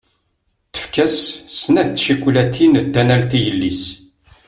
Tefka-as snat tcakulatin d tanalt i yelli-s.